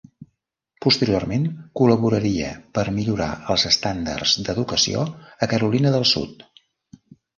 Posteriorment col·laboraria per millorar els estàndards d'educació a Carolina del Sud.